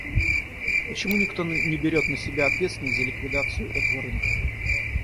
Почему никто не берет на себя ответственность за ликвидацию этого рынка?